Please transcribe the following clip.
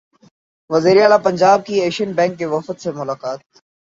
وزیراعلی پنجاب کی Asian bank کے وفد سے ملاقات